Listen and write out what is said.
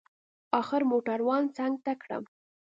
اخر موټروان څنگ ته کړم.